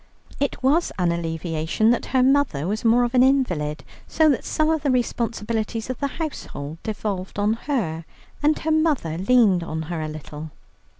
It was an alleviation that her mother was more of an invalid, so that some of the responsibilities of the household devolved on her, and her mother leaned on her a little.